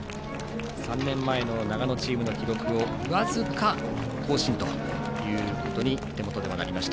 ３年前の長野チームの記録を僅かに更新ということに手元では、なりました。